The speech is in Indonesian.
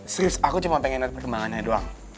serius aku cuma pengen perkembangannya doang